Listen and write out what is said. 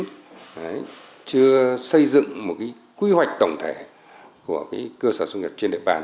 mang tích chất hành chính chưa xây dựng một quy hoạch tổng thể của cơ sở doanh nghiệp trên địa bàn